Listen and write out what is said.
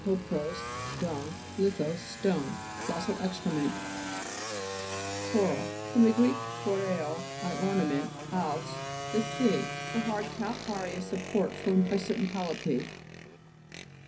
kopros, dung, lithos, stone. Fossil excrement (p. 44). CORAL fr. gr. koreo, I ornament, als, the sea. The hard calcareous support formed by certain polypi.